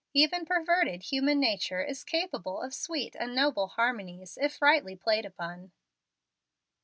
Even perverted human nature is capable of sweet and noble harmonies, if rightly played upon.